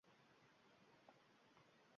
til tanglayga yopishdi.